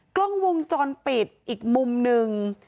กล้องวงจรปิดอีกมุมหนึ่ง